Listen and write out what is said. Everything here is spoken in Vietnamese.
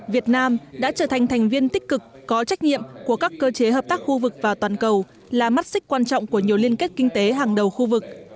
việt nam đã trở thành thành viên tích cực có trách nhiệm của các cơ chế hợp tác khu vực và toàn cầu là mắt xích quan trọng của nhiều liên kết kinh tế hàng đầu khu vực